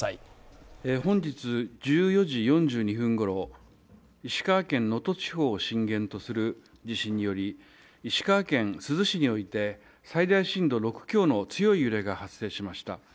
本日、１４時４２分ごろ石川県の能登地方を震源とする石川県珠洲市において最大震度６強の強い揺れが発生しました。